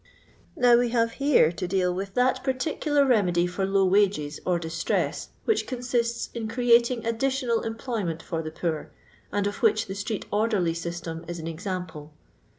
Now we have to deal here with that particular remedy for low wages or distreu which consists in creating additional employment for the poor, and of which the street orderly system is an example.